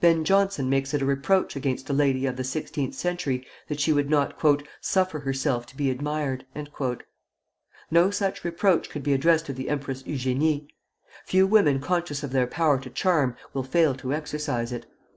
Ben Jonson makes it a reproach against a lady of the sixteenth century that she would not "suffer herself to be admired." No such reproach could be addressed to the Empress Eugénie. Few women conscious of their power to charm will fail to exercise it.